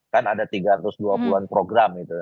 kan ada tiga ratus dua puluh an program itu